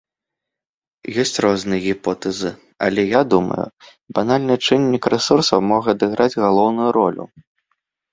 Ёсць розныя гіпотэзы, але я думаю, банальны чыннік рэсурсаў мог адыграць галоўную ролю.